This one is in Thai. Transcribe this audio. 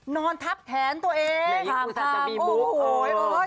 อ๋อนอนทับแขนตัวเอง